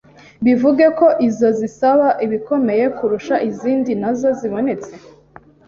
Bivuge ko izo zisaba ibikomeye kurusha izindi nazo zibonetse,